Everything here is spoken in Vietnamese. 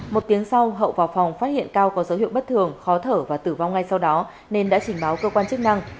một tiếng sau hậu vào phòng phát hiện cao có dấu hiệu bất thường khó thở và tử vong ngay sau đó nên đã trình báo cơ quan chức năng